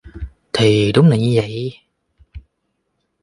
Thì đúng là như vậy